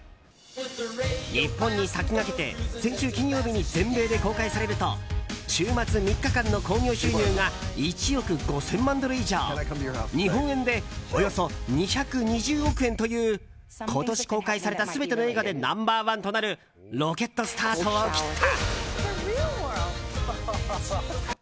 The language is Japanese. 日本に先駆けて先週金曜日に全米で公開されると週末３日間の興行収入が１億５０００万ドル以上日本円でおよそ２２０億円という今年公開された全ての映画でナンバー１となるロケットスタートを切った。